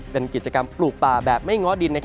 เป็นกิจกรรมปลูกป่าแบบไม่ง้อดิน